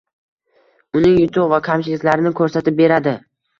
uning yutuq va kamchiliklarini ko‘rsatib beradi.